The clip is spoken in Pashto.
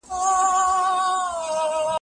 د بابا له هسکې څوکې وږمه راشي